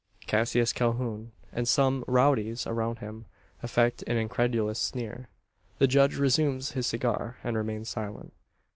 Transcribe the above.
Cassius Calhoun, and some "rowdies" around him, affect an incredulous sneer. The judge resumes his cigar, and remains silent.